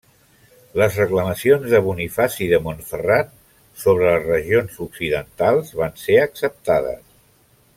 Les reclamacions de Bonifaci de Montferrat sobre les regions occidentals van ser acceptades.